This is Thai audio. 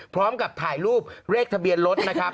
พร้อมกับถ่ายรูปเลขทะเบียนรถนะครับ